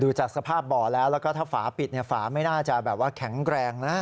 จากสภาพบ่อแล้วแล้วก็ถ้าฝาปิดฝาไม่น่าจะแบบว่าแข็งแรงนะ